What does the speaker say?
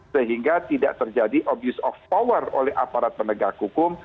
sehingga tidak terjadi obyeksi kekuasaan oleh aparat penegak hukum